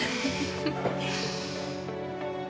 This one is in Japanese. フフフッ。